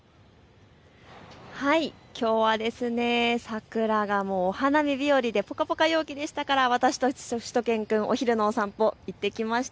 きょうは桜がお花見日和でぽかぽか陽気でしたから私としゅと犬くん、お昼のお散歩行ってきました。